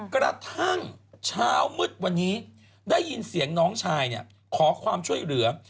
กระทั่งเช้ามืดวันนี้ได้ยินเสียงน้องชายขอความช่วยเหลือ